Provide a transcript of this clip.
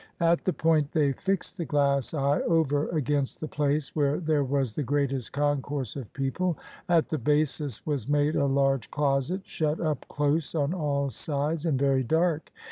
At the point they fixed the glass eye over against the place where there was the greatest concourse of people ; at the basis was made a large closet, shut up close on all sides and very dark.